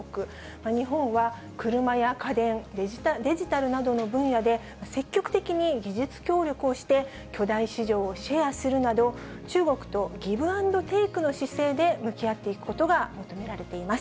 日本は車や家電、デジタルなどの分野で、積極的に技術協力をして、巨大市場をシェアするなど、中国とギブアンドテイクの姿勢で向き合っていくことが求められています。